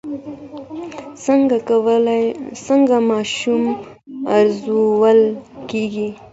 څنګه ماشوم ارزول کېږي؟